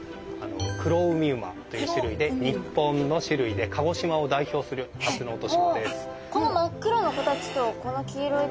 クロウミウマという種類で日本の種類で鹿児島を代表するタツノオトシゴです。